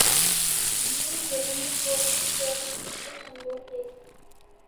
leader Jeremy Corbyn Paris خودکش حملوں کے